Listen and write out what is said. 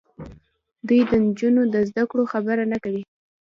دوی د نجونو د زدهکړو خبره نه کوي.